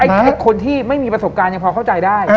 คนที่ไม่มีประสบการณ์ยังพอเข้าใจได้